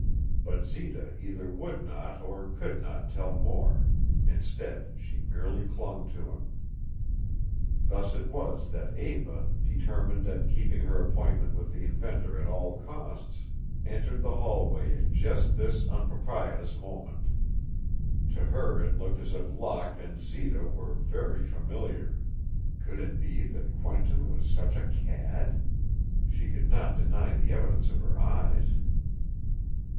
But Zita either would not or could not tell more. Instead she merely clung to him. Thus it was that Eva, determined at keeping her appointment with the inventor at all costs, entered the hallway at just this unpropitious moment. To her it looked as if Locke and Zita were very familiar. Could it be that Quentin was such a cad? She could not deny the evidence of her eyes.